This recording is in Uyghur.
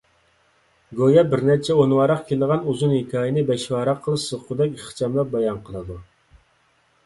گويا بىرنەچچە ئون ۋاراق كېلىدىغان ئۇزۇن ھېكايىنى بەش ۋاراققىلا سىغقۇدەك ئىخچاملاپ بايان قىلىدۇ.